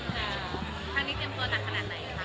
ครั้งนี้เตรียมตัวหนักขนาดไหนคะ